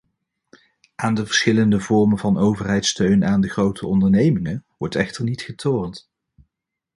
Aan de verschillende vormen van overheidssteun aan de grote ondernemingen wordt echter niet getornd.